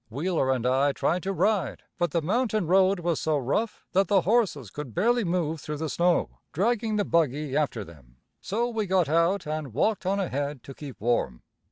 Wheeler and I tried to ride, but the mountain road was so rough that the horses could barely move through the snow, dragging the buggy after them. So we got out and walked on ahead to keep warm.